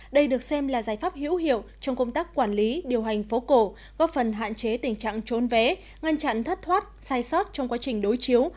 đây được xem là giải pháp hữu hiệu trong công tác quản lý điều hành phố cổ góp phần hạn chế tình trạng trốn vé ngăn chặn thất thoát sai sót trong quá trình đối chiếu